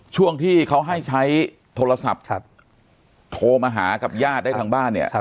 ช่วงที่เขาให้ใช้โทรศัพท์โทรมาหากับญาติได้ทางบ้านเนี่ย